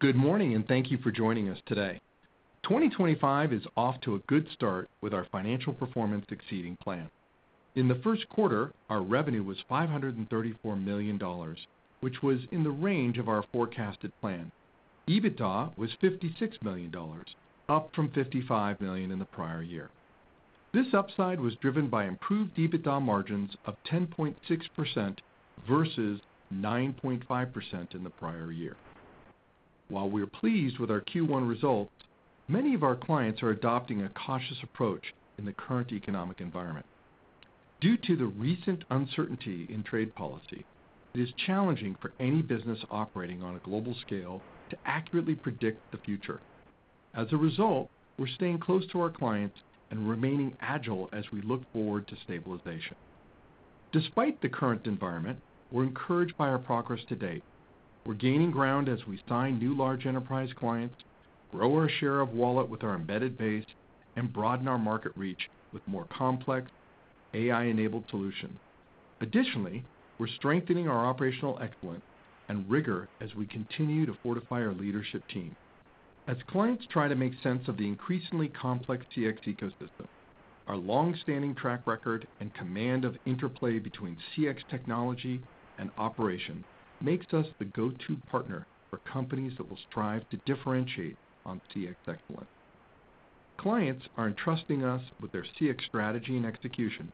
Good morning, and thank you for joining us today. 2025 is off to a good start with our financial performance exceeding plan. In the first quarter, our revenue was $534 million, which was in the range of our forecasted plan. EBITDA was $56 million, up from $55 million in the prior year. This upside was driven by improved EBITDA margins of 10.6% versus 9.5% in the prior year. While we are pleased with our Q1 results, many of our clients are adopting a cautious approach in the current economic environment. Due to the recent uncertainty in trade policy, it is challenging for any business operating on a global scale to accurately predict the future. As a result, we're staying close to our clients and remaining agile as we look forward to stabilization. Despite the current environment, we're encouraged by our progress to date. We're gaining ground as we sign new large enterprise clients, grow our share of wallet with our embedded base, and broaden our market reach with more complex, AI-enabled solutions. Additionally, we're strengthening our operational excellence and rigor as we continue to fortify our leadership team. As clients try to make sense of the increasingly complex CX ecosystem, our long-standing track record and command of interplay between CX technology and operation makes us the go-to partner for companies that will strive to differentiate on CX excellence. Clients are entrusting us with their CX strategy and execution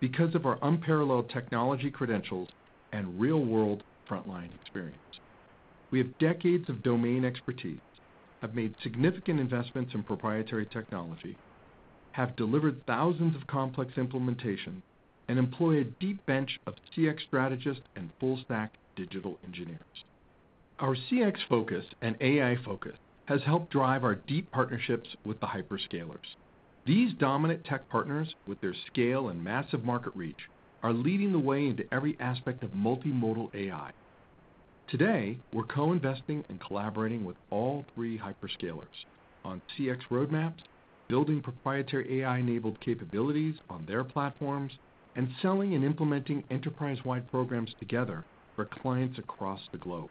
because of our unparalleled technology credentials and real-world frontline experience. We have decades of domain expertise, have made significant investments in proprietary technology, have delivered thousands of complex implementations, and employ a deep bench of CX strategists and full-stack digital engineers. Our CX focus and AI focus has helped drive our deep partnerships with the hyperscalers. These dominant tech partners, with their scale and massive market reach, are leading the way into every aspect of multimodal AI. Today, we're co-investing and collaborating with all three hyperscalers on CX roadmaps, building proprietary AI-enabled capabilities on their platforms, and selling and implementing enterprise-wide programs together for clients across the globe.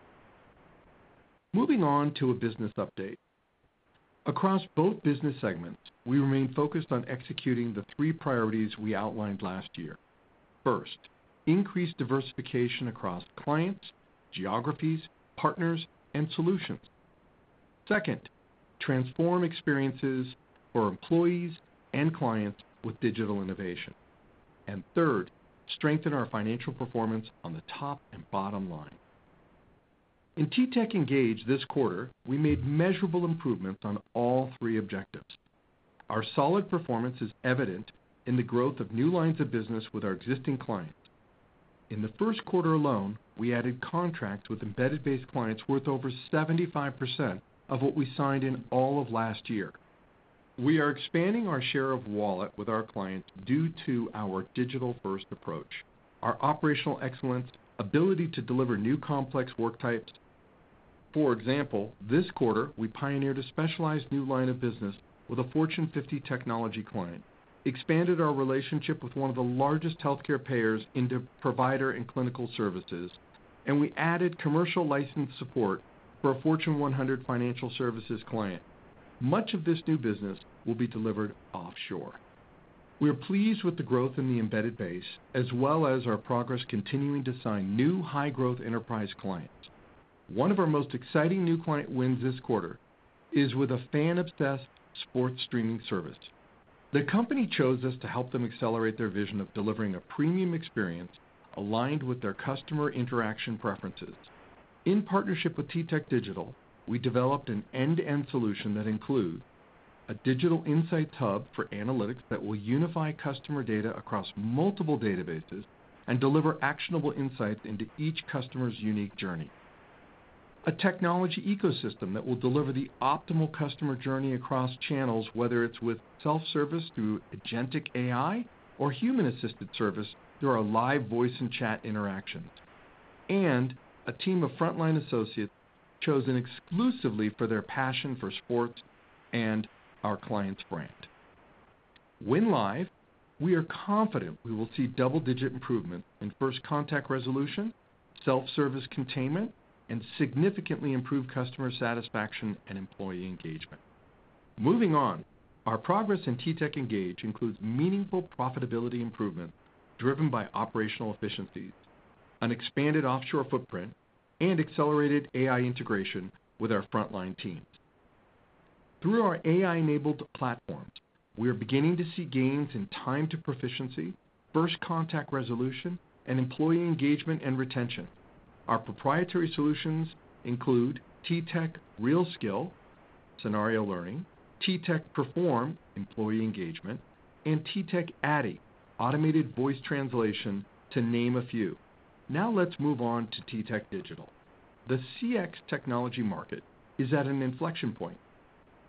Moving on to a business update. Across both business segments, we remain focused on executing the three priorities we outlined last year. First, increase diversification across clients, geographies, partners, and solutions. Second, transform experiences for employees and clients with digital innovation. Third, strengthen our financial performance on the top and bottom line. In TTEC Engage this quarter, we made measurable improvements on all three objectives. Our solid performance is evident in the growth of new lines of business with our existing clients. In the first quarter alone, we added contracts with embedded-based clients worth over 75% of what we signed in all of last year. We are expanding our share of wallet with our clients due to our digital-first approach, our operational excellence, and ability to deliver new complex work types. For example, this quarter, we pioneered a specialized new line of business with a Fortune 50 technology client, expanded our relationship with one of the largest healthcare payers into provider and clinical services, and we added commercial license support for a Fortune 100 financial services client. Much of this new business will be delivered offshore. We are pleased with the growth in the embedded base, as well as our progress continuing to sign new high-growth enterprise clients. One of our most exciting new client wins this quarter is with a fan-obsessed sports streaming service. The company chose us to help them accelerate their vision of delivering a premium experience aligned with their customer interaction preferences. In partnership with TTEC Digital, we developed an end-to-end solution that includes a Digital Insight Hub for analytics that will unify customer data across multiple databases and deliver actionable insights into each customer's unique journey. A technology ecosystem that will deliver the optimal customer journey across channels, whether it's with self-service through agentic AI or human-assisted service through our live voice and chat interactions. A team of frontline associates chosen exclusively for their passion for sports and our client's brand. Win live, we are confident we will see double-digit improvements in first contact resolution, self-service containment, and significantly improve customer satisfaction and employee engagement. Moving on, our progress in TTEC Engage includes meaningful profitability improvements driven by operational efficiencies, an expanded offshore footprint, and accelerated AI integration with our frontline teams. Through our AI-enabled platforms, we are beginning to see gains in time to proficiency, first contact resolution, and employee engagement and retention. Our proprietary solutions include TTEC RealSkill, Scenario Learning, TTEC Perform, Employee Engagement, and TTEC ADDI, automated voice translation, to name a few. Now let's move on to TTEC Digital. The CX technology market is at an inflection point.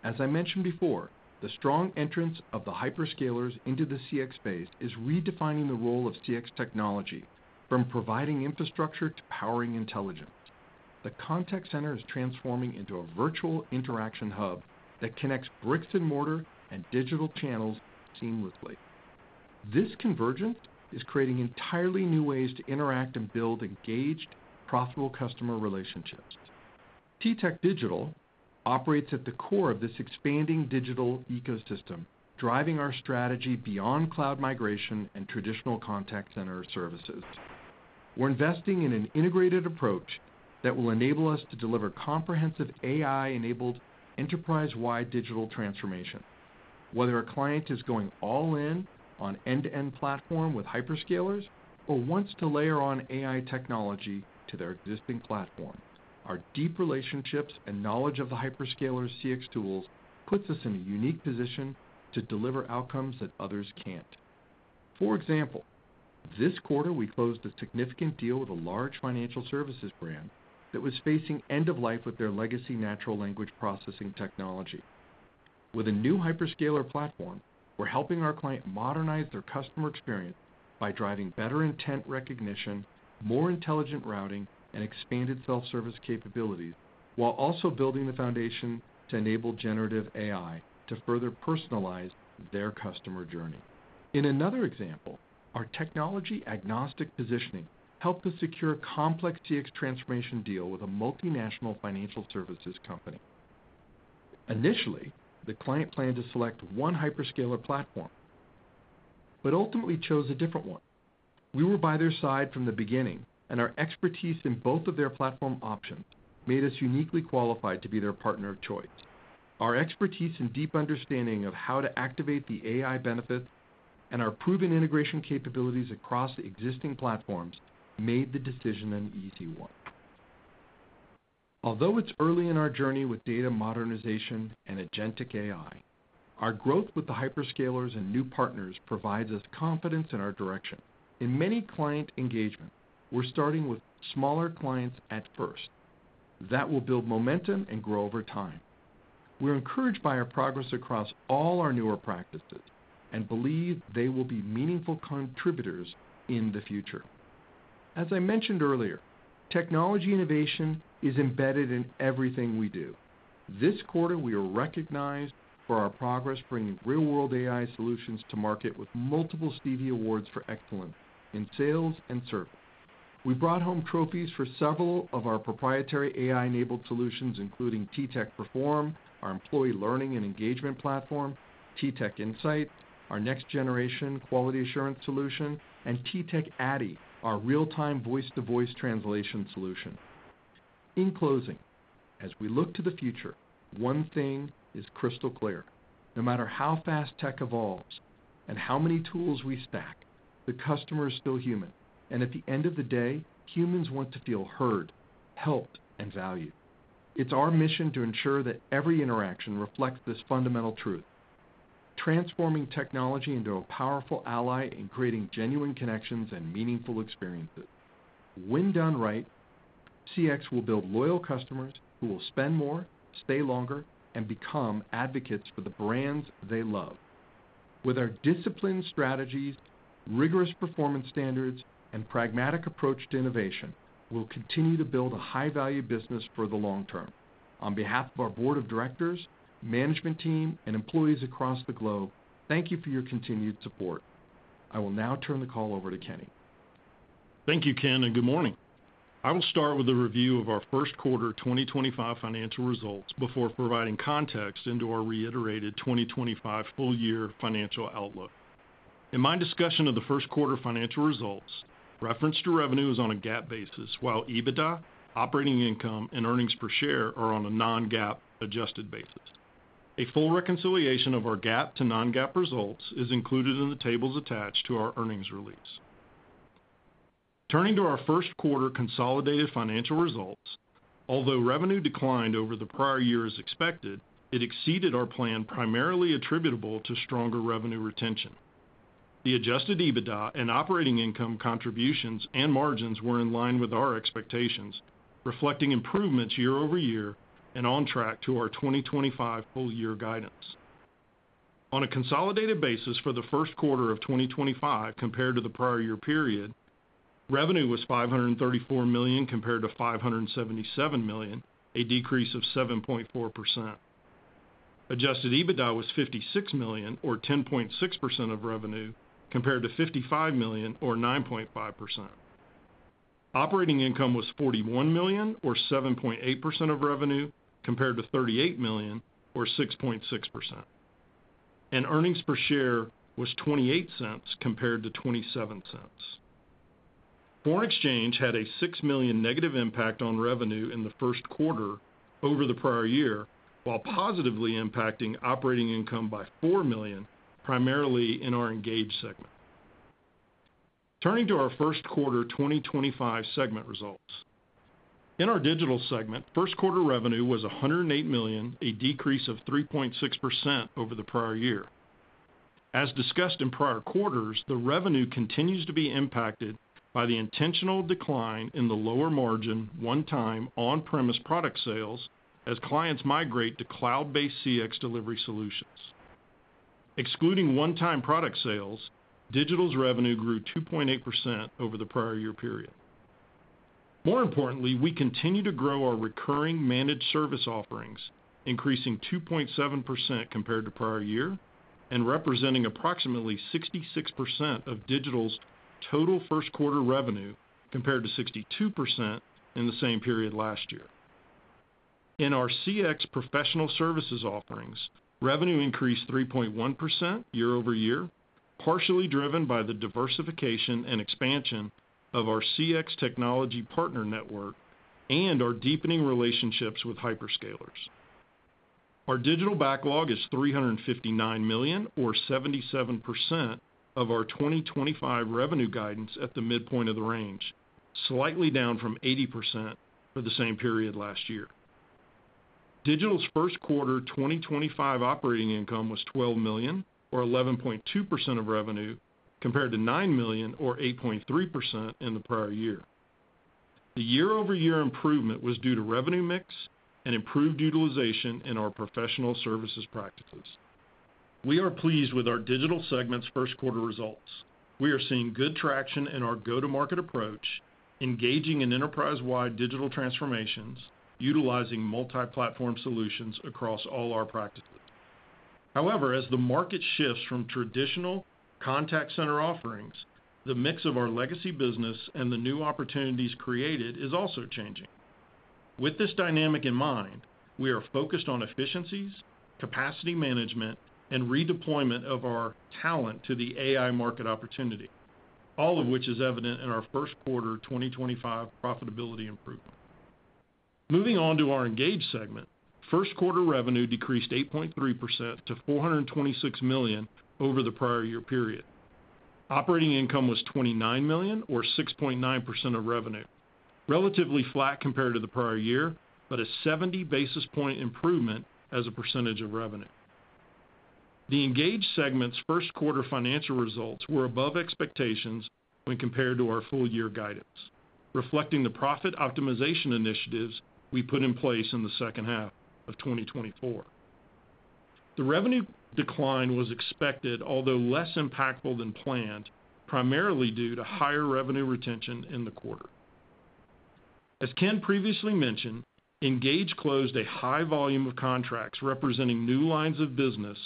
As I mentioned before, the strong entrance of the hyperscalers into the CX space is redefining the role of CX technology from providing infrastructure to powering intelligence. The contact center is transforming into a virtual interaction hub that connects bricks and mortar and digital channels seamlessly. This convergence is creating entirely new ways to interact and build engaged, profitable customer relationships. TTEC Digital operates at the core of this expanding digital ecosystem, driving our strategy beyond cloud migration and traditional contact center services. We're investing in an integrated approach that will enable us to deliver comprehensive AI-enabled enterprise-wide digital transformation. Whether a client is going all-in on end-to-end platform with hyperscalers or wants to layer on AI technology to their existing platform, our deep relationships and knowledge of the hyperscalers' CX tools puts us in a unique position to deliver outcomes that others can't. For example, this quarter, we closed a significant deal with a large financial services brand that was facing end-of-life with their legacy natural language processing technology. With a new hyperscaler platform, we're helping our client modernize their customer experience by driving better intent recognition, more intelligent routing, and expanded self-service capabilities, while also building the foundation to enable generative AI to further personalize their customer journey. In another example, our technology-agnostic positioning helped us secure a complex CX transformation deal with a multinational financial services company. Initially, the client planned to select one hyperscaler platform, but ultimately chose a different one. We were by their side from the beginning, and our expertise in both of their platform options made us uniquely qualified to be their partner of choice. Our expertise and deep understanding of how to activate the AI benefits and our proven integration capabilities across existing platforms made the decision an easy one. Although it's early in our journey with data modernization and agentic AI, our growth with the hyperscalers and new partners provides us confidence in our direction. In many client engagements, we're starting with smaller clients at first. That will build momentum and grow over time. We're encouraged by our progress across all our newer practices and believe they will be meaningful contributors in the future. As I mentioned earlier, technology innovation is embedded in everything we do. This quarter, we are recognized for our progress bringing real-world AI solutions to market with multiple Stevie Awards for excellence in sales and service. We brought home trophies for several of our proprietary AI-enabled solutions, including TTEC Perform, our employee learning and engagement platform, TTEC Insight, our next-generation quality assurance solution, and TTEC ADDI, our real-time voice-to-voice translation solution. In closing, as we look to the future, one thing is crystal clear. No matter how fast tech evolves and how many tools we stack, the customer is still human. At the end of the day, humans want to feel heard, helped, and valued. It's our mission to ensure that every interaction reflects this fundamental truth, transforming technology into a powerful ally in creating genuine connections and meaningful experiences. When done right, CX will build loyal customers who will spend more, stay longer, and become advocates for the brands they love. With our disciplined strategies, rigorous performance standards, and pragmatic approach to innovation, we'll continue to build a high-value business for the long term. On behalf of our board of directors, management team, and employees across the globe, thank you for your continued support. I will now turn the call over to Kenny. Thank you, Ken, and good morning. I will start with a review of our first quarter 2025 financial results before providing context into our reiterated 2025 full-year financial outlook. In my discussion of the first quarter financial results, reference to revenue is on a GAAP basis, while EBITDA, operating income, and earnings per share are on a non-GAAP adjusted basis. A full reconciliation of our GAAP to non-GAAP results is included in the tables attached to our earnings release. Turning to our first quarter consolidated financial results, although revenue declined over the prior year as expected, it exceeded our plan, primarily attributable to stronger revenue retention. The adjusted EBITDA and operating income contributions and margins were in line with our expectations, reflecting improvements year over year and on track to our 2025 full-year guidance. On a consolidated basis for the first quarter of 2025 compared to the prior year period, revenue was $534 million compared to $577 million, a decrease of 7.4%. Adjusted EBITDA was $56 million, or 10.6% of revenue, compared to $55 million, or 9.5%. Operating income was $41 million, or 7.8% of revenue, compared to $38 million, or 6.6%. Earnings per share was $0.28 compared to $0.27. Foreign exchange had a $6 million negative impact on revenue in the first quarter over the prior year, while positively impacting operating income by $4 million, primarily in our Engage segment. Turning to our first quarter 2025 segment results. In our Digital segment, first quarter revenue was $108 million, a decrease of 3.6% over the prior year. As discussed in prior quarters, the revenue continues to be impacted by the intentional decline in the lower margin one-time on-premise product sales as clients migrate to cloud-based CX delivery solutions. Excluding one-time product sales, digital's revenue grew 2.8% over the prior year period. More importantly, we continue to grow our recurring managed service offerings, increasing 2.7% compared to prior year and representing approximately 66% of digital's total first quarter revenue compared to 62% in the same period last year. In our CX professional services offerings, revenue increased 3.1% year over year, partially driven by the diversification and expansion of our CX technology partner network and our deepening relationships with hyperscalers. Our digital backlog is $359 million, or 77% of our 2025 revenue guidance at the midpoint of the range, slightly down from 80% for the same period last year. Digital's first quarter 2025 operating income was $12 million, or 11.2% of revenue, compared to $9 million, or 8.3% in the prior year. The year-over-year improvement was due to revenue mix and improved utilization in our professional services practices. We are pleased with our digital segment's first quarter results. We are seeing good traction in our go-to-market approach, engaging in enterprise-wide digital transformations, utilizing multi-platform solutions across all our practices. However, as the market shifts from traditional contact center offerings, the mix of our legacy business and the new opportunities created is also changing. With this dynamic in mind, we are focused on efficiencies, capacity management, and redeployment of our talent to the AI market opportunity, all of which is evident in our first quarter 2025 profitability improvement. Moving on to our engaged segment, first quarter revenue decreased 8.3% to $426 million over the prior year period. Operating income was $29 million, or 6.9% of revenue, relatively flat compared to the prior year, but a 70 basis point improvement as a percentage of revenue. The Engage segment's first quarter financial results were above expectations when compared to our full-year guidance, reflecting the profit optimization initiatives we put in place in the second half of 2024. The revenue decline was expected, although less impactful than planned, primarily due to higher revenue retention in the quarter. As Ken previously mentioned, Engage closed a high volume of contracts representing new lines of business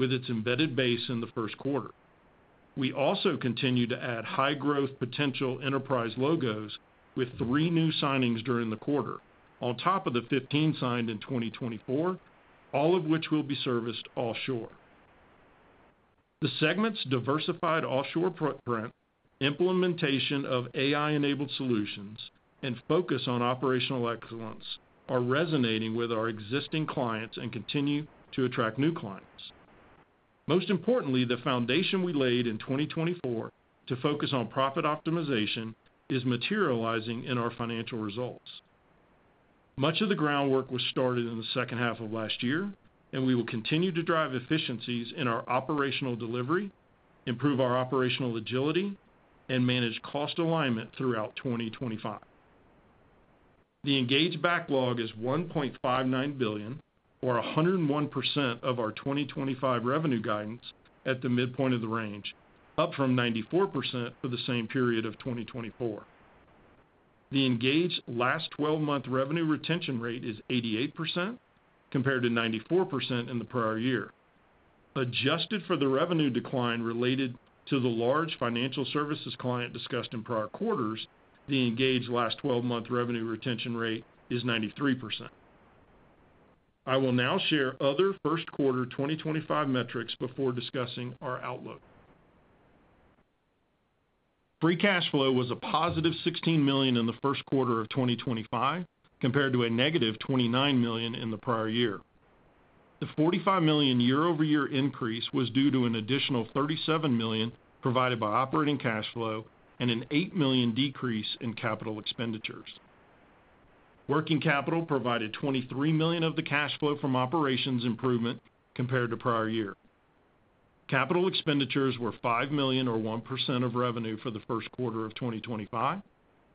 with its embedded base in the first quarter. We also continue to add high-growth potential enterprise logos with three new signings during the quarter, on top of the 15 signed in 2024, all of which will be serviced offshore. The segment's diversified offshore footprint, implementation of AI-enabled solutions, and focus on operational excellence are resonating with our existing clients and continue to attract new clients. Most importantly, the foundation we laid in 2024 to focus on profit optimization is materializing in our financial results. Much of the groundwork was started in the second half of last year, and we will continue to drive efficiencies in our operational delivery, improve our operational agility, and manage cost alignment throughout 2025. The engaged backlog is $1.59 billion, or 101% of our 2025 revenue guidance at the midpoint of the range, up from 94% for the same period of 2024. The engaged last 12-month revenue retention rate is 88% compared to 94% in the prior year. Adjusted for the revenue decline related to the large financial services client discussed in prior quarters, the engaged last 12-month revenue retention rate is 93%. I will now share other first quarter 2025 metrics before discussing our outlook. Free cash flow was a positive $16 million in the first quarter of 2025 compared to a negative $29 million in the prior year. The $45 million year-over-year increase was due to an additional $37 million provided by operating cash flow and an $8 million decrease in capital expenditures. Working capital provided $23 million of the cash flow from operations improvement compared to prior year. Capital expenditures were $5 million, or 1% of revenue for the first quarter of 2025,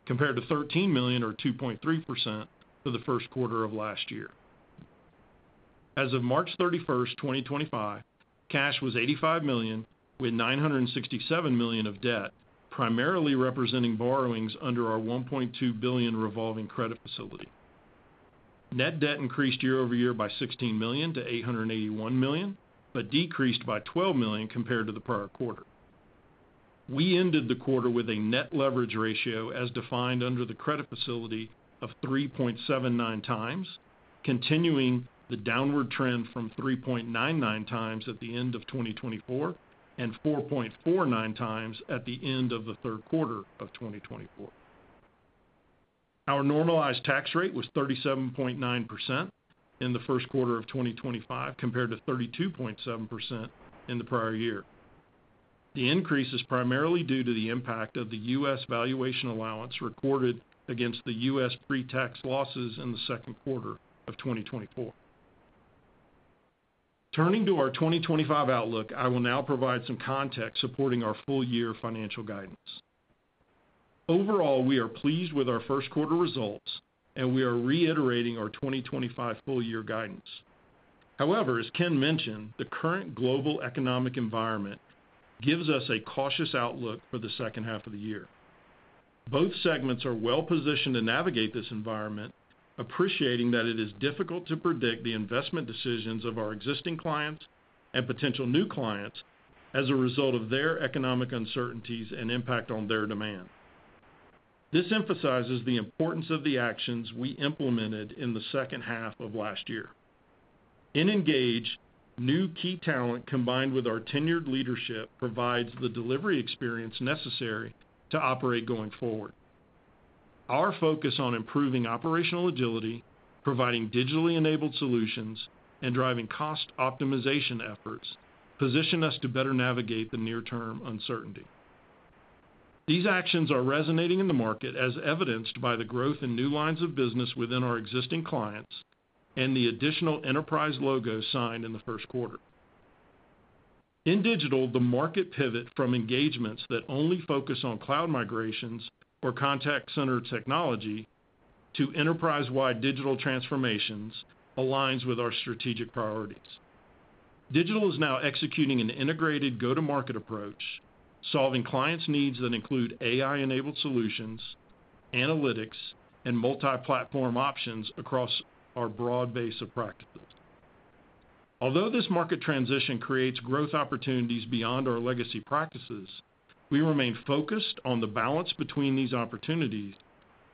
compared to $13 million, or 2.3% of the first quarter of last year. As of March 31st, 2025, cash was $85 million, with $967 million of debt, primarily representing borrowings under our $1.2 billion revolving credit facility. Net debt increased year-over-year by $16 million to $881 million, but decreased by $12 million compared to the prior quarter. We ended the quarter with a net leverage ratio as defined under the credit facility of 3.79 times, continuing the downward trend from 3.99 times at the end of 2024 and 4.49 times at the end of the third quarter of 2024. Our normalized tax rate was 37.9% in the first quarter of 2025 compared to 32.7% in the prior year. The increase is primarily due to the impact of the U.S. valuation allowance recorded against the U.S. pre-tax losses in the second quarter of 2024. Turning to our 2025 outlook, I will now provide some context supporting our full-year financial guidance. Overall, we are pleased with our first quarter results, and we are reiterating our 2025 full-year guidance. However, as Ken mentioned, the current global economic environment gives us a cautious outlook for the second half of the year. Both segments are well-positioned to navigate this environment, appreciating that it is difficult to predict the investment decisions of our existing clients and potential new clients as a result of their economic uncertainties and impact on their demand. This emphasizes the importance of the actions we implemented in the second half of last year. In Engage, new key talent combined with our tenured leadership provides the delivery experience necessary to operate going forward. Our focus on improving operational agility, providing digitally enabled solutions, and driving cost optimization efforts positions us to better navigate the near-term uncertainty. These actions are resonating in the market, as evidenced by the growth in new lines of business within our existing clients and the additional enterprise logo signed in the first quarter. In digital, the market pivot from engagements that only focus on cloud migrations or contact center technology to enterprise-wide digital transformations aligns with our strategic priorities. Digital is now executing an integrated go-to-market approach, solving clients' needs that include AI-enabled solutions, analytics, and multi-platform options across our broad base of practices. Although this market transition creates growth opportunities beyond our legacy practices, we remain focused on the balance between these opportunities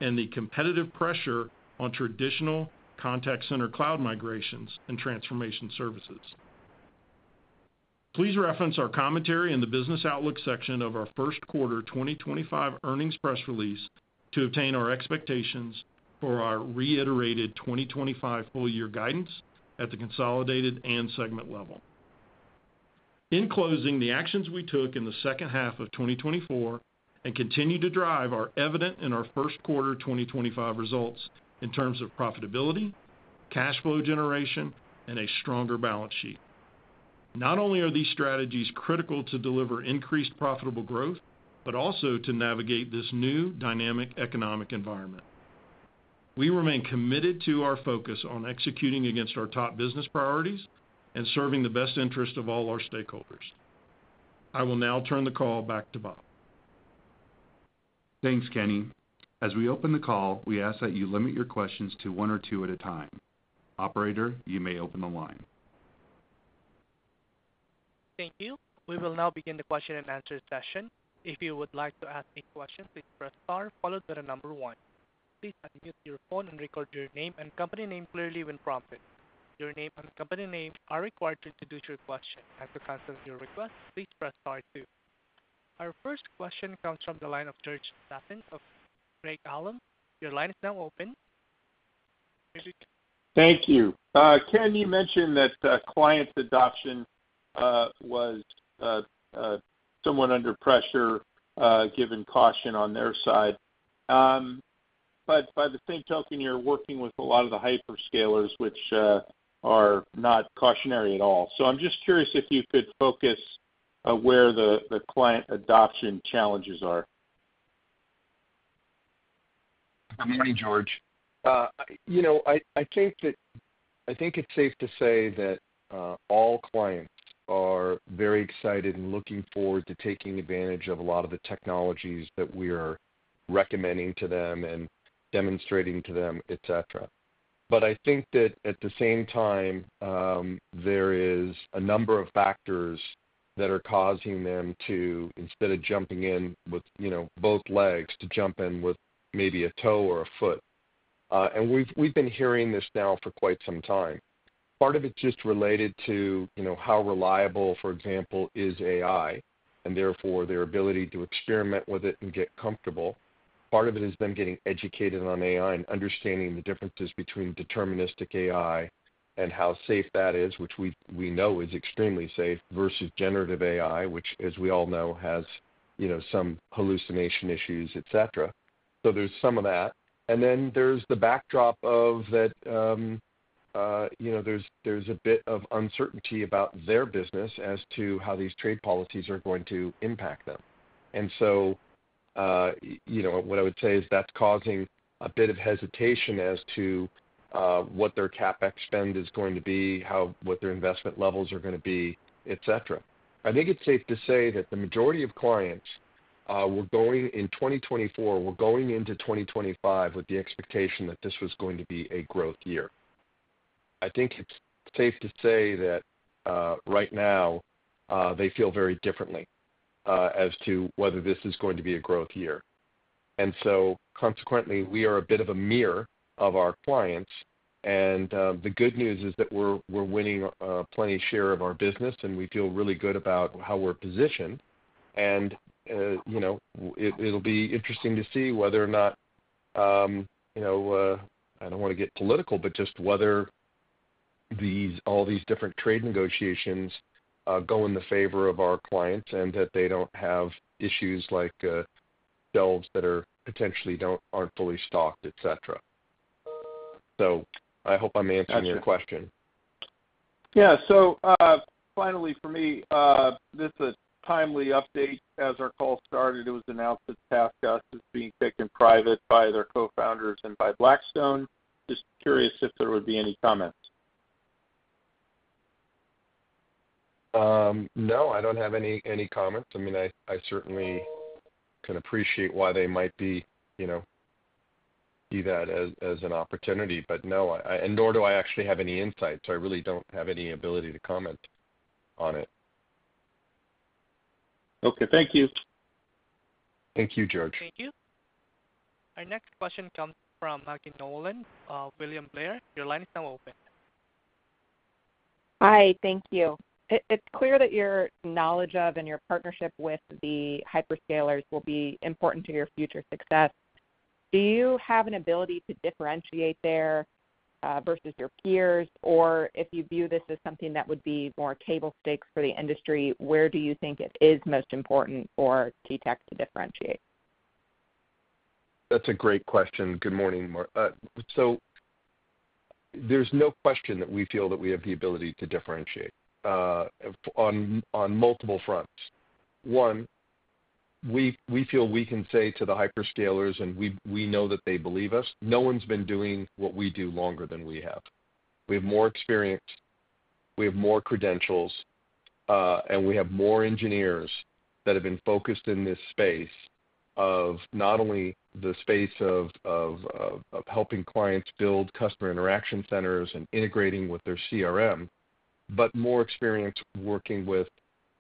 and the competitive pressure on traditional contact center cloud migrations and transformation services. Please reference our commentary in the business outlook section of our first quarter 2025 earnings press release to obtain our expectations for our reiterated 2025 full-year guidance at the consolidated and segment level. In closing, the actions we took in the second half of 2024 continue to drive our evident in our first quarter 2025 results in terms of profitability, cash flow generation, and a stronger balance sheet. Not only are these strategies critical to deliver increased profitable growth, but also to navigate this new dynamic economic environment. We remain committed to our focus on executing against our top business priorities and serving the best interest of all our stakeholders. I will now turn the call back to Bob. Thanks, Kenny. As we open the call, we ask that you limit your questions to one or two at a time. Operator, you may open the line. Thank you. We will now begin the question and answer session. If you would like to ask a question, please press star followed by the number one. Please unmute your phone and record your name and company name clearly when prompted. Your name and company name are required to introduce your question. To consent to your request, please press star two. Our first question comes from the line of George Sutton of Craig-Hallum. Your line is now open. Thank you. Ken, you mentioned that client adoption was somewhat under pressure, given caution on their side. By the same token, you're working with a lot of the hyperscalers, which are not cautionary at all. I'm just curious if you could focus where the client adoption challenges are. Good morning, George. You know, I think that I think it's safe to say that all clients are very excited and looking forward to taking advantage of a lot of the technologies that we are recommending to them and demonstrating to them, etc. I think that at the same time, there is a number of factors that are causing them to, instead of jumping in with, you know, both legs, to jump in with maybe a toe or a foot. We've been hearing this now for quite some time. Part of it's just related to, you know, how reliable, for example, is AI, and therefore their ability to experiment with it and get comfortable. Part of it has been getting educated on AI and understanding the differences between deterministic AI and how safe that is, which we know is extremely safe, versus generative AI, which, as we all know, has, you know, some hallucination issues, etc. There's some of that. There is the backdrop of that, you know, there's a bit of uncertainty about their business as to how these trade policies are going to impact them. You know, what I would say is that's causing a bit of hesitation as to what their CapEx spend is going to be, what their investment levels are going to be, etc. I think it's safe to say that the majority of clients, going into 2024, were going into 2025 with the expectation that this was going to be a growth year. I think it's safe to say that, right now, they feel very differently as to whether this is going to be a growth year. Consequently, we are a bit of a mirror of our clients. The good news is that we're winning plenty of share of our business, and we feel really good about how we're positioned. You know, it'll be interesting to see whether or not, you know, I don't want to get political, but just whether all these different trade negotiations go in the favor of our clients and that they don't have issues like shelves that potentially aren't fully stocked, etc. I hope I'm answering your question. Yeah. Finally, for me, this is a timely update. As our call started, it was announced that TaskUs is being taken private by their co-founders and by Blackstone. Just curious if there would be any comments. No, I don't have any comments. I mean, I certainly can appreciate why they might see that as an opportunity. No, I, I and nor do I actually have any insight. I really do not have any ability to comment on it. Okay. Thank you. Thank you, George. Thank you. Our next question comes from Maggie Nolan, William Blair. Your line is now open. Hi. Thank you. It is clear that your knowledge of and your partnership with the hyperscalers will be important to your future success. Do you have an ability to differentiate there, versus your peers, or if you view this as something that would be more table stakes for the industry, where do you think it is most important for TTEC to differentiate? That is a great question. Good morning, Mar. There is no question that we feel that we have the ability to differentiate, on, on multiple fronts. One, we feel we can say to the hyperscalers, and we know that they believe us. No one's been doing what we do longer than we have. We have more experience. We have more credentials, and we have more engineers that have been focused in this space of not only the space of helping clients build customer interaction centers and integrating with their CRM, but more experience working with,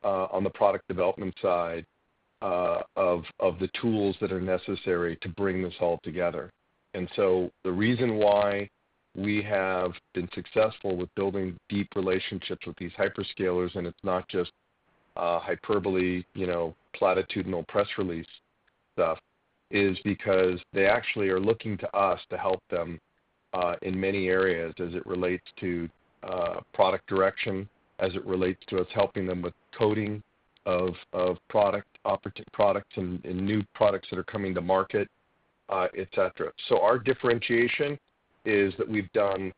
on the product development side, the tools that are necessary to bring this all together. The reason why we have been successful with building deep relationships with these hyperscalers, and it's not just, you know, platitudinal press release stuff, is because they actually are looking to us to help them, in many areas as it relates to product direction, as it relates to us helping them with coding of product opportunity products and new products that are coming to market, etc. Our differentiation is that we've done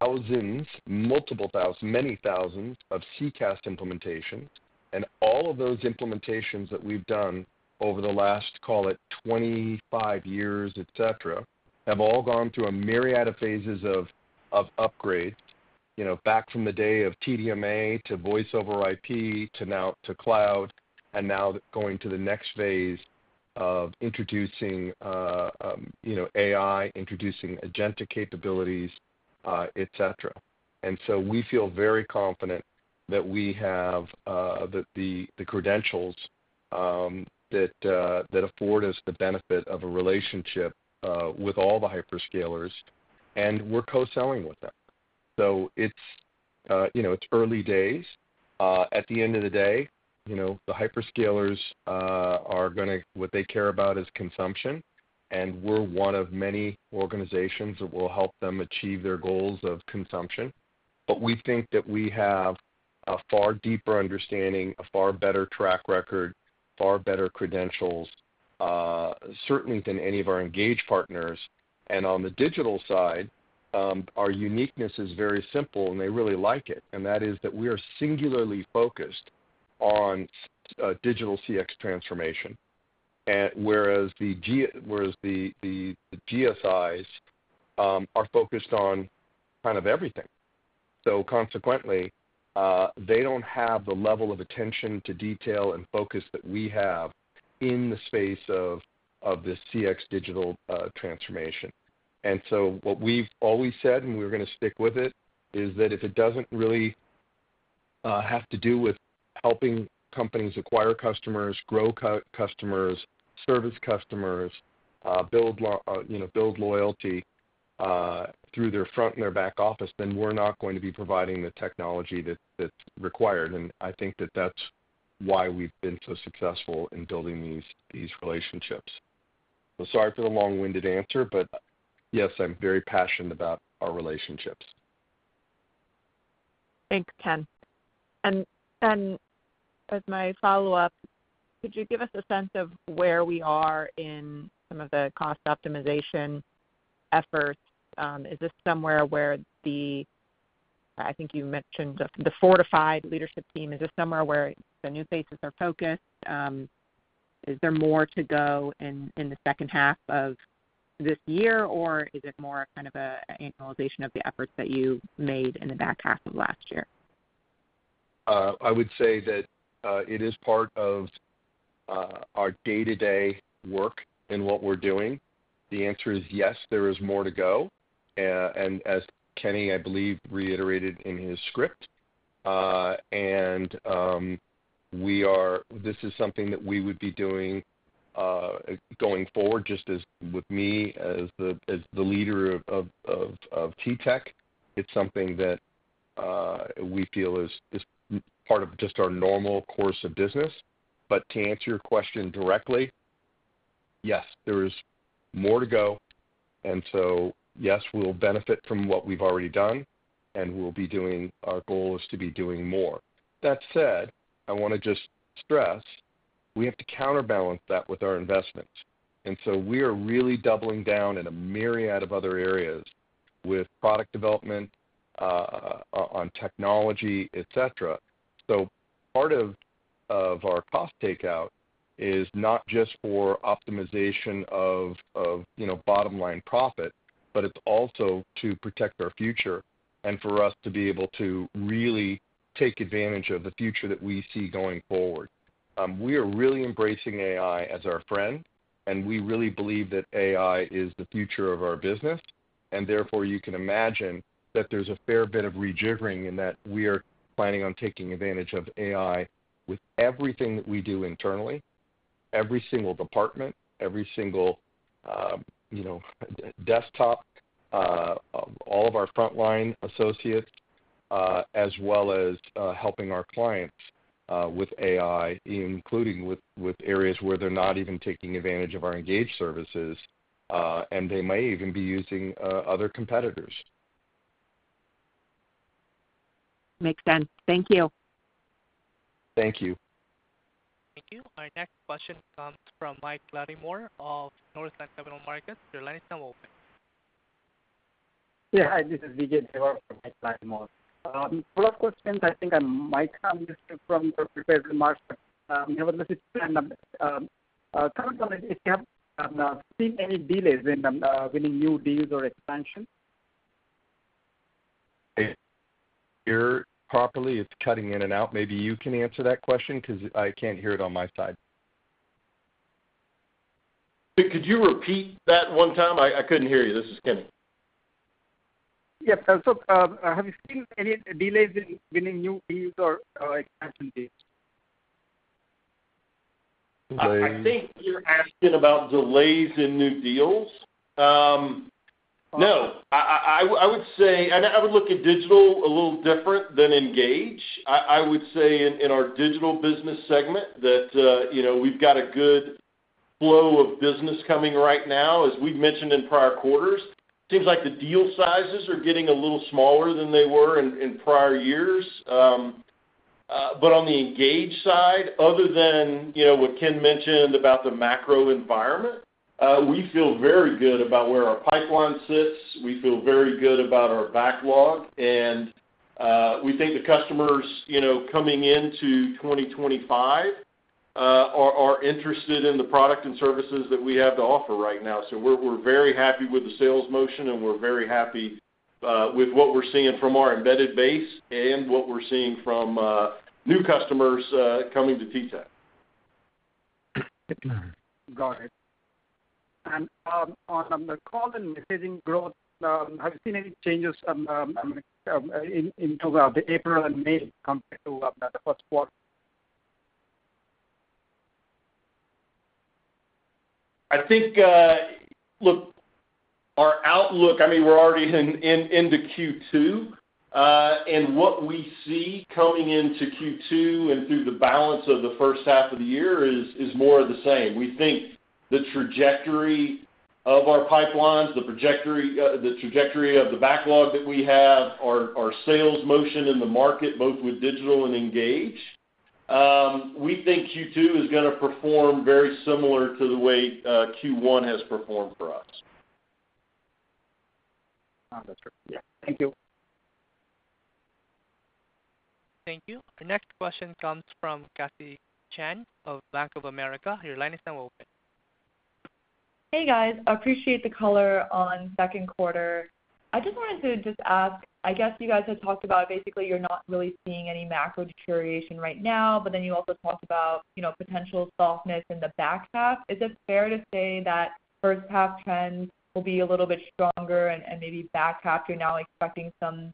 thousands, multiple thousands, many thousands of CCaaS implementations. All of those implementations that we've done over the last, call it 25 years, etc., have all gone through a myriad of phases of upgrade, you know, back from the day of TDMA to voice over IP to now to cloud, and now going to the next phase of introducing, you know, AI, introducing agentic capabilities, etc. We feel very confident that we have the credentials that afford us the benefit of a relationship with all the hyperscalers, and we're co-selling with them. It's early days. At the end of the day, you know, the hyperscalers are going to, what they care about is consumption. We're one of many organizations that will help them achieve their goals of consumption. We think that we have a far deeper understanding, a far better track record, far better credentials, certainly than any of our engaged partners. On the Digital side, our uniqueness is very simple, and they really like it. That is that we are singularly focused on digital CX transformation. Whereas the GSIs are focused on kind of everything. Consequently, they do not have the level of attention to detail and focus that we have in the space of this CX digital transformation. What we have always said, and we are going to stick with it, is that if it does not really have to do with helping companies acquire customers, grow customers, service customers, build loyalty through their front and their back office, then we are not going to be providing the technology that is required. I think that that's why we've been so successful in building these relationships. Sorry for the long-winded answer, but yes, I'm very passionate about our relationships. Thanks, Ken. As my follow-up, could you give us a sense of where we are in some of the cost optimization efforts? Is this somewhere where the, I think you mentioned the, the fortified leadership team? Is this somewhere where the new faces are focused? Is there more to go in the second half of this year, or is it more a kind of an annualization of the efforts that you made in the back half of last year? I would say that it is part of our day-to-day work and what we're doing. The answer is yes, there is more to go. As Kenny, I believe, reiterated in his script, this is something that we would be doing going forward, just as with me as the leader of TTEC. It's something that we feel is part of just our normal course of business. To answer your question directly, yes, there is more to go. Yes, we'll benefit from what we've already done, and our goal is to be doing more. That said, I want to just stress we have to counterbalance that with our investments. We are really doubling down in a myriad of other areas with product development, on technology, etc. Part of our cost takeout is not just for optimization of, you know, bottom line profit, but it's also to protect our future and for us to be able to really take advantage of the future that we see going forward. We are really embracing AI as our friend, and we really believe that AI is the future of our business. Therefore, you can imagine that there's a fair bit of rejiggering in that we are planning on taking advantage of AI with everything that we do internally, every single department, every single, you know, desktop, all of our frontline associates, as well as helping our clients with AI, including with areas where they're not even taking advantage of our Engage services, and they may even be using other competitors. Makes sense. Thank you. Thank you. Thank you. Our next question comes from Mike Clarimore of Northland Capital Markets. Your line is now open. Yeah. Hi. This is Vijay Devar from Mike Clarimore. First question, I think I might have missed it from the prepared remarks, but, nevertheless, it's kind of, comment on it. If you have, seen any delays in, winning new deals or expansion? If you're properly, it's cutting in and out. Maybe you can answer that question because I can't hear it on my side. Could you repeat that one time? I, I couldn't hear you. This is Kenny. Yes. So, have you seen any delays in winning new deals or, expansion deals? I think you're asking about delays in new deals. No, I would say, and I would look at digital a little different than engage. I would say in our digital business segment that, you know, we've got a good flow of business coming right now, as we've mentioned in prior quarters. Seems like the deal sizes are getting a little smaller than they were in prior years. On the Engage side, other than, you know, what Ken mentioned about the macro environment, we feel very good about where our pipeline sits. We feel very good about our backlog. We think the customers, you know, coming into 2025, are interested in the product and services that we have to offer right now. We're very happy with the sales motion, and we're very happy with what we're seeing from our embedded base and what we're seeing from new customers coming to TTEC. Got it. On the call and messaging growth, have you seen any changes in terms of the April and May compared to the first quarter? I think, look, our outlook, I mean, we're already in the Q2. What we see coming into Q2 and through the balance of the first half of the year is more of the same. We think the trajectory of our pipelines, the trajectory of the backlog that we have, our sales motion in the market, both with digital and engaged, we think Q2 is going to perform very similar to the way Q1 has performed for us. That's correct. Yeah. Thank you. Thank you. Our next question comes from Cathy Chen of Bank of America. Your line is now open. Hey, guys. I appreciate the color on second quarter. I just wanted to ask, I guess you guys had talked about basically you're not really seeing any macro deterioration right now, but then you also talked about, you know, potential softness in the back half. Is it fair to say that first half trends will be a little bit stronger and maybe back half you're now expecting some,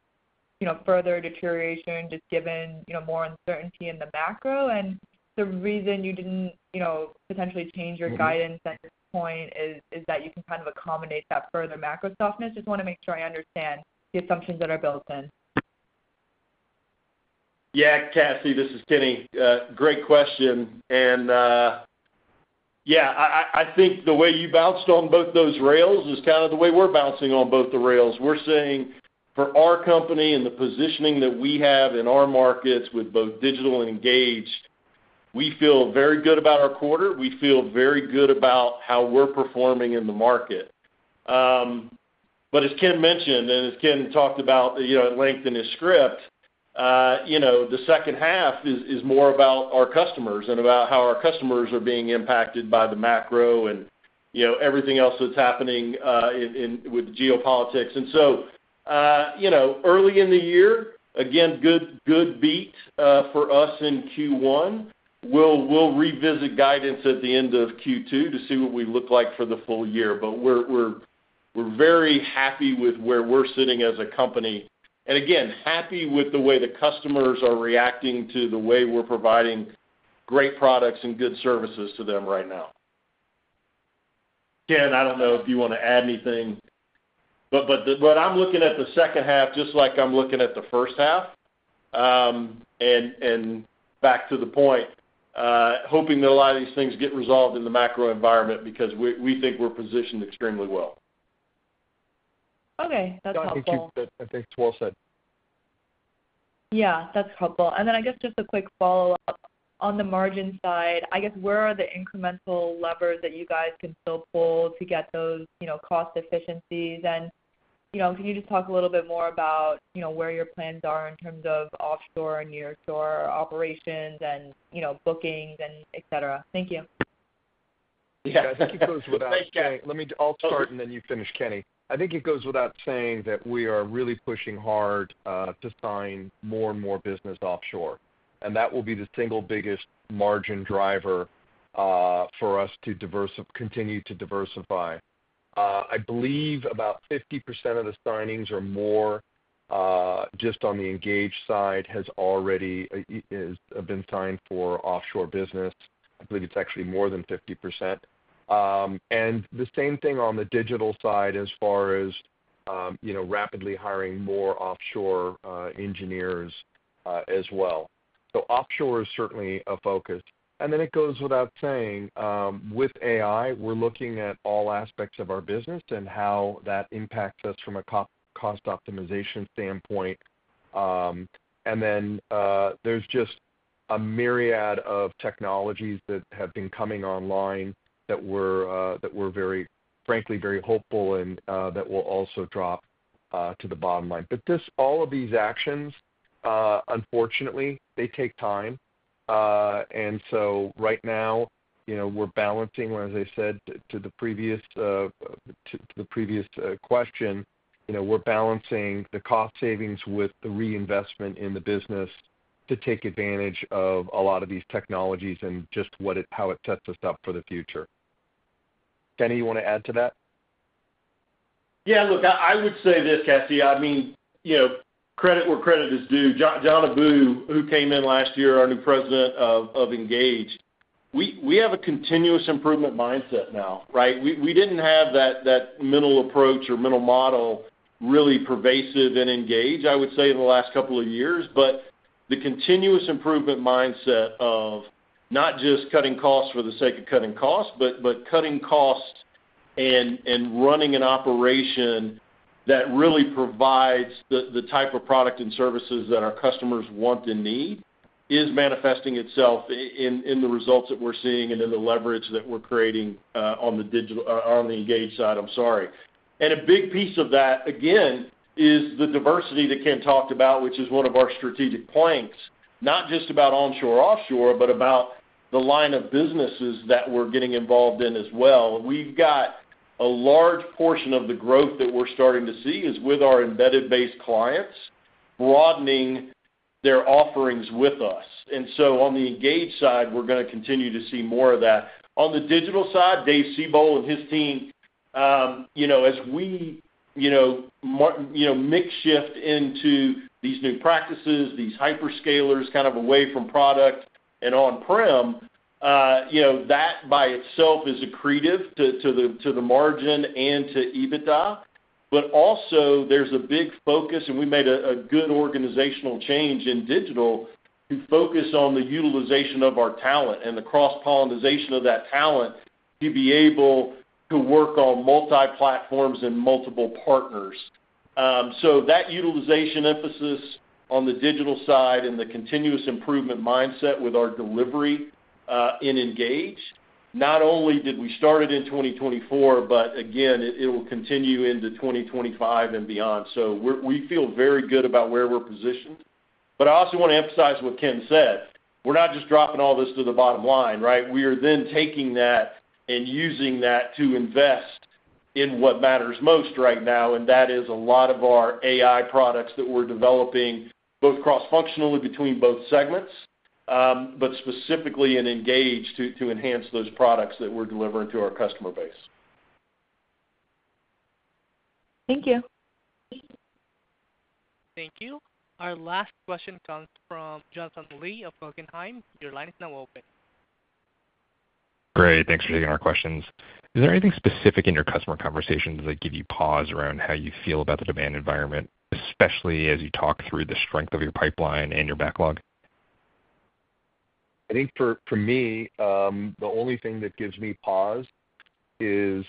you know, further deterioration just given, you know, more uncertainty in the macro? And the reason you didn't, you know, potentially change your guidance at this point is that you can kind of accommodate that further macro softness. Just want to make sure I understand the assumptions that are built in. Yeah. Cathy, this is Kenny. Great question. And, yeah, I think the way you bounced on both those rails is kind of the way we're bouncing on both the rails. We're saying for our company and the positioning that we have in our markets with both digital and Engage, we feel very good about our quarter. We feel very good about how we're performing in the market. As Ken mentioned, and as Ken talked about, you know, at length in his script, the second half is more about our customers and about how our customers are being impacted by the macro and, you know, everything else that's happening with geopolitics. You know, early in the year, again, good beat for us in Q1. We'll revisit guidance at the end of Q2 to see what we look like for the full year. We're very happy with where we're sitting as a company. Again, happy with the way the customers are reacting to the way we're providing great products and good services to them right now. Ken, I don't know if you want to add anything, but I'm looking at the second half just like I'm looking at the first half, and back to the point, hoping that a lot of these things get resolved in the macro environment because we think we're positioned extremely well. Okay. That's helpful. Yeah. I think you, I think it's well said. Yeah. That's helpful. I guess just a quick follow-up on the margin side, I guess where are the incremental levers that you guys can still pull to get those, you know, cost efficiencies? You know, can you just talk a little bit more about, you know, where your plans are in terms of offshore and nearshore operations and, you know, bookings and etc.? Thank you. Yeah. I think it goes without saying. Let me, I'll start and then you finish, Kenny. I think it goes without saying that we are really pushing hard to sign more and more business offshore. That will be the single biggest margin driver for us to diversify, continue to diversify. I believe about 50% of the signings or more, just on the Engage side, has already, has been signed for offshore business. I believe it's actually more than 50%. The same thing on the Digital side as far as, you know, rapidly hiring more offshore engineers as well. Offshore is certainly a focus. It goes without saying, with AI, we're looking at all aspects of our business and how that impacts us from a cost optimization standpoint. There is just a myriad of technologies that have been coming online that we're, frankly, very hopeful in, that will also drop to the bottom line. All of these actions, unfortunately, they take time. Right now, you know, we're balancing, as I said to the previous question, you know, we're balancing the cost savings with the reinvestment in the business to take advantage of a lot of these technologies and just what it, how it sets us up for the future. Kenny, you want to add to that? Yeah. Look, I would say this, Cathy. I mean, you know, credit where credit is due. John, John Abou, who came in last year, our new President of, of Engage, we have a continuous improvement mindset now, right? We didn't have that mental approach or mental model really pervasive in Engage, I would say, in the last couple of years. The continuous improvement mindset of not just cutting costs for the sake of cutting costs, but cutting costs and running an operation that really provides the type of product and services that our customers want and need is manifesting itself in the results that we're seeing and in the leverage that we're creating, on the digital, on the Engage side. I'm sorry. A big piece of that, again, is the diversity that Ken talked about, which is one of our strategic planks, not just about onshore, offshore, but about the line of businesses that we're getting involved in as well. We've got a large portion of the growth that we're starting to see is with our embedded-based clients broadening their offerings with us. On the Engage side, we're going to continue to see more of that. On the Digital side, Dave Seybold and his team, you know, as we, you know, makeshift into these new practices, these hyperscalers kind of away from product and on-prem, you know, that by itself is accretive to the margin and to EBITDA. But also there's a big focus, and we made a good organizational change in digital to focus on the utilization of our talent and the cross-pollinization of that talent to be able to work on multi-platforms and multiple partners. That utilization emphasis on the Digital side and the continuous improvement mindset with our delivery, in Engage, not only did we start it in 2024, but again, it will continue into 2025 and beyond. We feel very good about where we're positioned. I also want to emphasize what Ken said. We're not just dropping all this to the bottom line, right? We are then taking that and using that to invest in what matters most right now. That is a lot of our AI products that we're developing both cross-functionally between both segments, but specifically in Engage to enhance those products that we're delivering to our customer base. Thank you. Thank you. Our last question comes from Jonathan Lee of Guggenheim. Your line is now open. Great. Thanks for taking our questions. Is there anything specific in your customer conversations that give you pause around how you feel about the demand environment, especially as you talk through the strength of your pipeline and your backlog? I think for me, the only thing that gives me pause is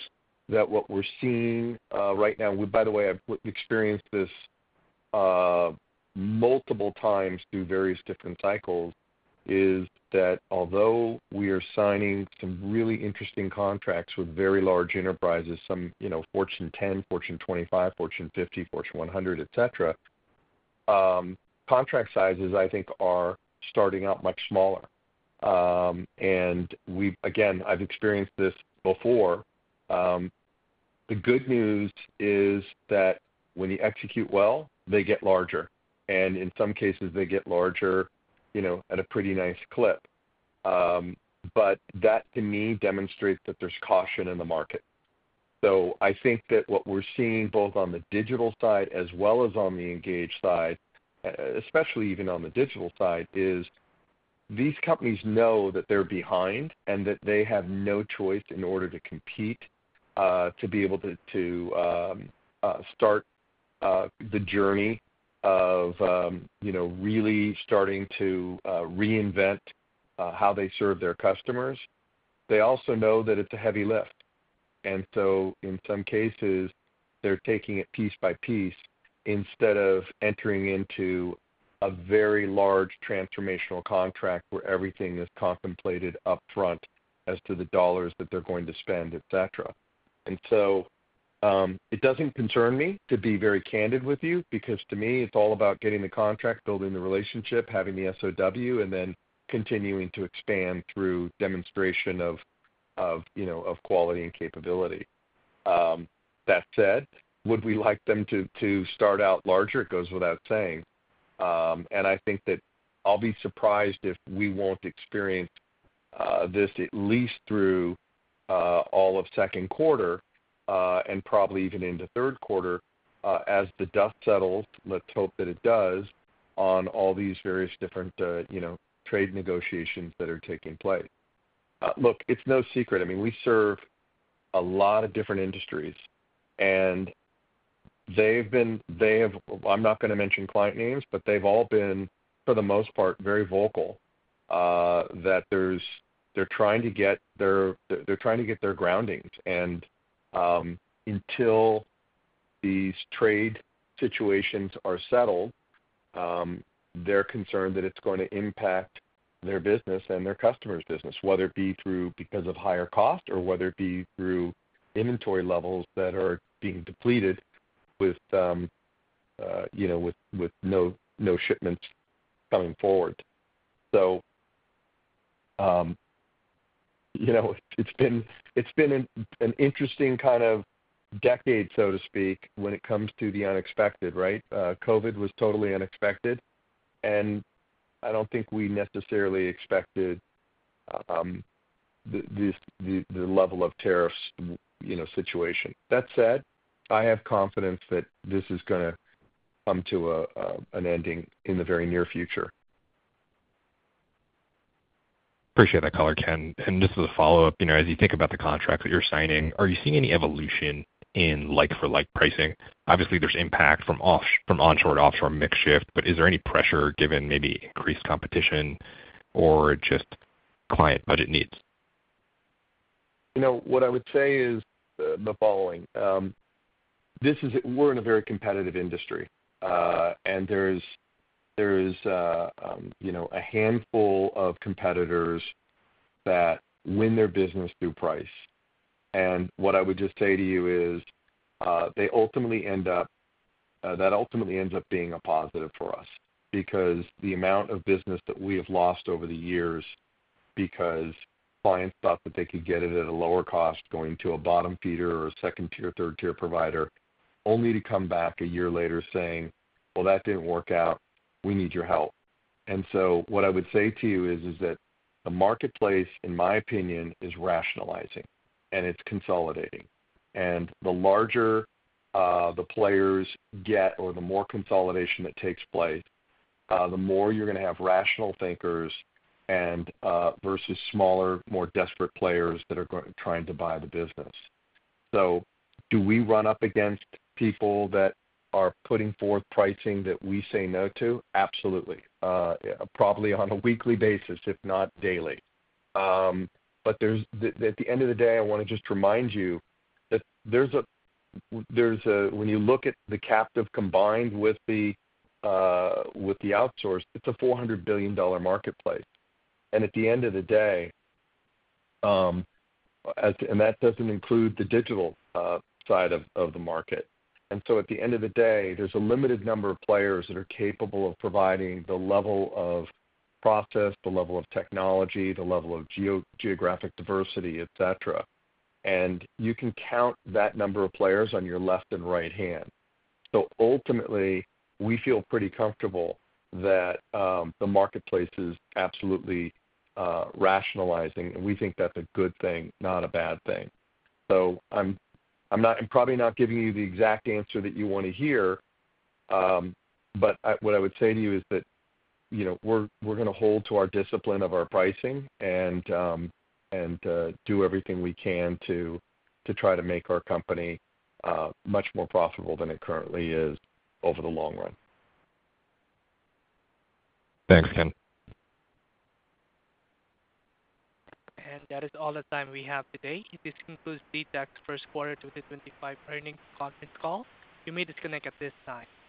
that what we're seeing right now, we, by the way, I've experienced this multiple times through various different cycles, is that although we are signing some really interesting contracts with very large enterprises, some, you know, Fortune 10, Fortune 25, Fortune 50, Fortune 100, etc., contract sizes, I think, are starting out much smaller. And we've, again, I've experienced this before. The good news is that when you execute well, they get larger. In some cases, they get larger, you know, at a pretty nice clip. That to me demonstrates that there's caution in the market. I think that what we're seeing both on the Digital side as well as on the Engage side, especially even on the Digital side, is these companies know that they're behind and that they have no choice in order to compete, to be able to start the journey of, you know, really starting to reinvent how they serve their customers. They also know that it's a heavy lift. In some cases, they're taking it piece by piece instead of entering into a very large transformational contract where everything is contemplated upfront as to the dollars that they're going to spend, etc. It doesn't concern me, to be very candid with you, because to me, it's all about getting the contract, building the relationship, having the SOW, and then continuing to expand through demonstration of, you know, of quality and capability. That said, would we like them to start out larger? It goes without saying. I think that I'll be surprised if we won't experience this at least through all of second quarter, and probably even into third quarter, as the dust settles. Let's hope that it does on all these various different, you know, trade negotiations that are taking place. Look, it's no secret. I mean, we serve a lot of different industries, and they've been, they have, I'm not going to mention client names, but they've all been, for the most part, very vocal, that they're trying to get their groundings. Until these trade situations are settled, they're concerned that it's going to impact their business and their customer's business, whether it be through because of higher cost or whether it be through inventory levels that are being depleted with, you know, with no shipments coming forward. You know, it's been an interesting kind of decade, so to speak, when it comes to the unexpected, right? COVID was totally unexpected. I don't think we necessarily expected the level of tariffs, you know, situation. That said, I have confidence that this is going to come to an ending in the very near future. Appreciate that, Color. Ken, and just as a follow-up, you know, as you think about the contracts that you're signing, are you seeing any evolution in like-for-like pricing? Obviously, there's impact from onshore, offshore makeshift, but is there any pressure given maybe increased competition or just client budget needs? You know, what I would say is the following. This is, we're in a very competitive industry. There's, you know, a handful of competitors that win their business through price. What I would just say to you is, that ultimately ends up being a positive for us because the amount of business that we have lost over the years because clients thought that they could get it at a lower cost going to a bottom feeder or a second tier, third tier provider, only to come back a year later saying, "Well, that didn't work out. We need your help. What I would say to you is that the marketplace, in my opinion, is rationalizing and it's consolidating. The larger the players get or the more consolidation that takes place, the more you're going to have rational thinkers versus smaller, more desperate players that are trying to buy the business. Do we run up against people that are putting forth pricing that we say no to? Absolutely, probably on a weekly basis, if not daily. At the end of the day, I want to just remind you that when you look at the captive combined with the outsourced, it's a $400 billion marketplace. At the end of the day, that does not include the digital side of the market. At the end of the day, there is a limited number of players that are capable of providing the level of process, the level of technology, the level of geographic diversity, etc. You can count that number of players on your left and right hand. Ultimately, we feel pretty comfortable that the marketplace is absolutely rationalizing. We think that is a good thing, not a bad thing. I am probably not giving you the exact answer that you want to hear, but what I would say to you is that, you know, we are going to hold to our discipline of our pricing and do everything we can to try to make our company much more profitable than it currently is over the long run. Thanks, Ken. That is all the time we have today. This concludes TTEC's first quarter 2025 earnings conference call. You may disconnect at this time. Thank you.